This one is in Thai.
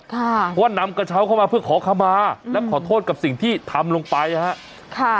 เพราะว่านำกระเช้าเข้ามาเพื่อขอขมาและขอโทษกับสิ่งที่ทำลงไปฮะค่ะ